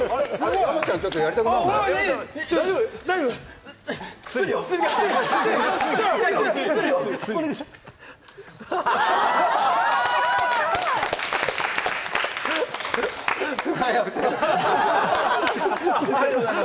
山ちゃん、ちょっとやりたくない？